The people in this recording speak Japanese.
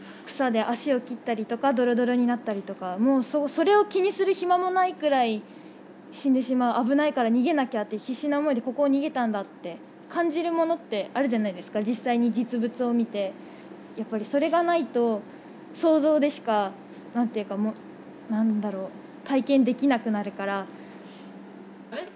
草で足を切ったりとかドロドロになったりとかもうそれを気にする暇もないくらい死んでしまう危ないから逃げなきゃって必死な思いでここを逃げたんだって感じるものってあるじゃないですか実際に実物を見てやっぱりそれがないと想像でしか何ていうか何だろう体験できなくなるから。